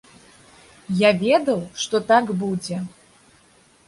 Я ведаў, што так будзе.